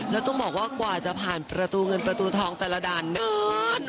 แล้วต้องบอกว่ากว่าจะผ่านประตูเงินประตูทองแต่ละด่านนั้น